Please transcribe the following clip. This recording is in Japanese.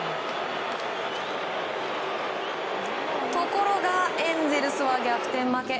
ところがエンゼルスは逆転負け。